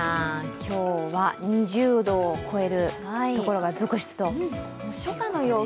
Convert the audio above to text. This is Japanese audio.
今日は２０度を超えるところが続出ということで。